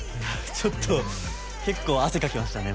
ちょっと結構汗かきましたね